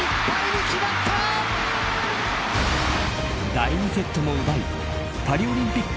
第２セットも奪いパリオリンピック